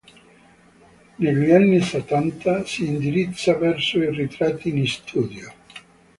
Negli anni Settanta si indirizza verso i ritratti in studio.